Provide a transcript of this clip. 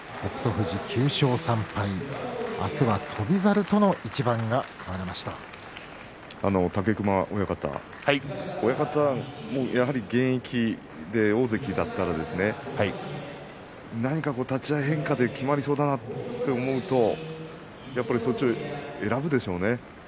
富士は９勝３敗明日は翔猿との一番が武隈親方親方は、現役で大関だったらなにか立ち合い変化できまりそうだなと思うとそちらを選ぶでしょうね。